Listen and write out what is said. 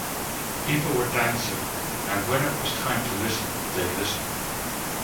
People were dancing, and when it was time to listen, they'd listen.